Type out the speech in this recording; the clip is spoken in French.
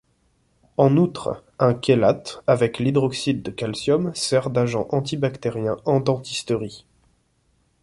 En outre, un chélate avec l'hydroxyde de calcium sert d'agent antibactérien en dentisterie.